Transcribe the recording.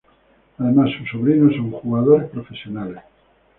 Además, sus sobrinos, son jugadores profesionales.